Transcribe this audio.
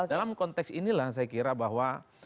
dalam konteks inilah saya kira bahwa